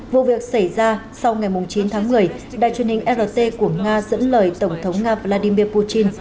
vụ việc xảy ra sau ngày chín tháng một mươi đài truyền hình rt của nga dẫn lời tổng thống nga vladimir putin